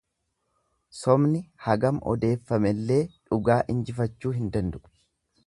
Sobi hagam odeeffamellee dhugaa injifachuu hin danda'u.